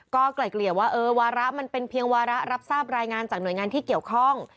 ก็ไกลเกลี่ยว่าเออวาระมันเป็นเพียงวาระรับทราบรายงานจากหน่วยงานที่เกี่ยวข้อง